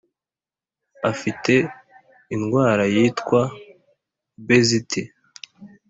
Afite indwara yitwa obesite